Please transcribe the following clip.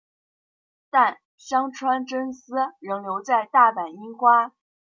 但香川真司仍留在大阪樱花。